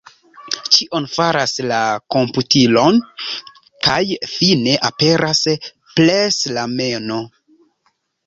Ĉion faras la komputilo kaj fine aperas preslameno.